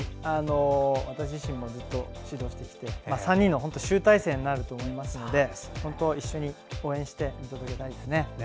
私自身もずっと指導してきて、３人の集大成になると思いますので一緒に応援して見届けたいですね。